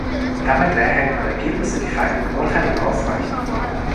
Damit erhält man Ergebnisse, die für eine Beurteilung ausreichen.